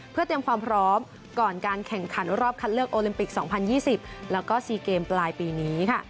เพื่อเตรียมความพร้อมก่อนการแข่งขันรอบคัดเลือกโอลิมปิก๒๐๒๐แล้วก็๔เกมปลายปีนี้ค่ะ